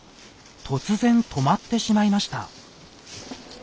突然止まってしまいました。